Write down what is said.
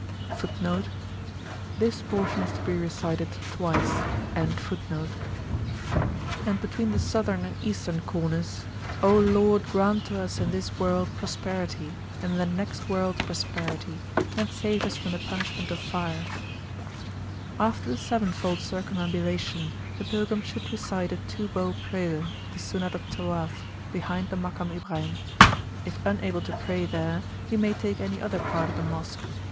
[FN#27] And between the Southern and Eastern corners: O Lord, grant to us in this World Prosperity, and in the next World Prosperity, and save us from the Punishment of Fire! After the sevenfold circumambulation the pilgrim should recite a two bow prayer, the Sunnat of Tawaf, behind the Makam Ibrahim. If unable to pray there, he may take any other part of the Mosque.